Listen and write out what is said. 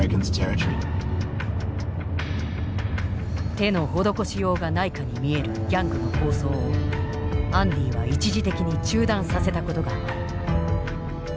手の施しようがないかに見えるギャングの抗争をアンディは一時的に中断させたことがある。